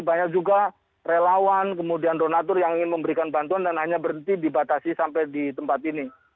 banyak juga relawan kemudian donatur yang ingin memberikan bantuan dan hanya berhenti dibatasi sampai di tempat ini